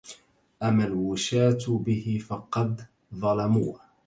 أما الوشاة به فقد ظلموه